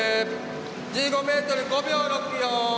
１５ｍ５秒６４。